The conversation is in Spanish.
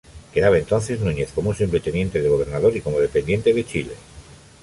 Quedaba entonces Núñez como un simple teniente de gobernador y como dependiente de Chile.